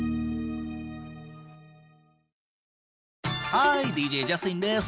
ハーイＤＪジャスティンです。